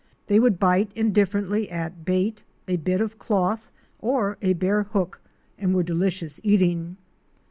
They would bite indifferently at bait, a bit of cloth, or a bare hook, and were delicious eating.